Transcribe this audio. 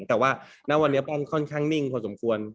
แต่ว่าณวันนี้ป้อมค่อนข้างนิ่งพอสมควร